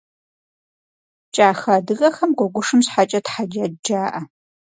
Кӏахэ адыгэхэм гуэгушым щхьэкӏэ тхьэджэд жаӏэ.